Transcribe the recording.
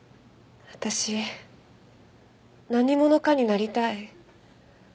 私何者かになりたい。